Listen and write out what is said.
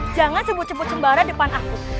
jangan sembut sembut sembarang depan aku